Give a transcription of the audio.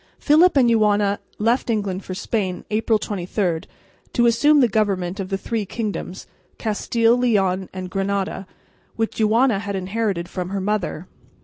Philip and Juana left England for Spain, April 23, to assume the government of the three kingdoms, Castile, Leon and Granada, which Juana had inherited from her mother.